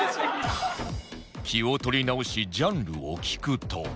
気を取り直しジャンルを聞くと